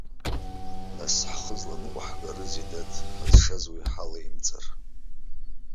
Нас ҳхы зланыҟәаагарызеи дад, ҳазшаз уи ҳалеимҵар.